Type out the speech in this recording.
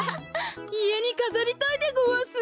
いえにかざりたいでごわす。